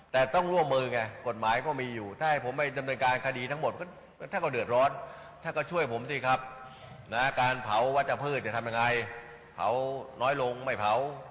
แต่ต้องร่วมมือกันไงกฎหมายก็มีอยู่ถ้าให้ผมไม่จำเป็นการคดีทั้งหมด